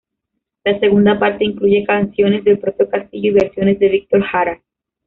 La segunda parte incluye canciones del propio Castillo y versiones de Víctor Jara.